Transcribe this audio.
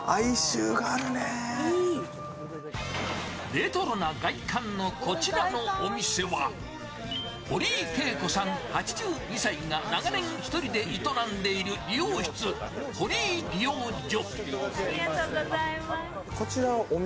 レトロな外観のこちらのお店は堀井恵子８２歳が長年１人で営んでいる理容室、堀井理容所。